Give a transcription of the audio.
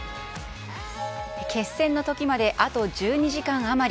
決戦の時まであと１２時間余り。